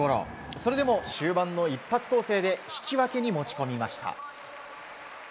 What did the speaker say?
それでも終盤の一発攻勢で引き分けに持ち込みました。